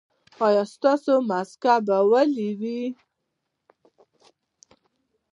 ایا ستاسو مسکه به ویلې وي؟